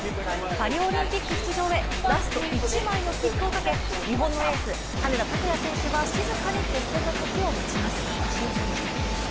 パリオリンピック出場へラスト１枚の切符をかけ日本のエース、羽根田卓也選手は静かに決戦の時を待ちます。